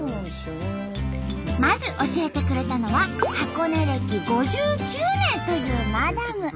まず教えてくれたのは箱根歴５９年というマダム。